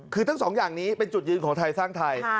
คือทั้งสองอย่างนี้เป็นจุดยืนของไทยสร้างไทย